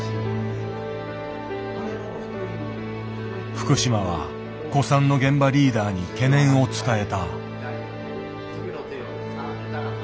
福島は古参の現場リーダーに懸念を伝えた。